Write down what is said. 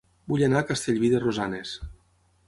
Vull anar a Castellví de Rosanes